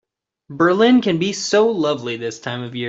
Berlin can be so lovely this time of year.